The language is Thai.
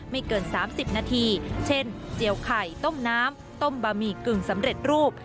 เกิน๓๐นาทีเช่นเจียวไข่ต้มน้ำต้มบะหมี่กึ่งสำเร็จรูป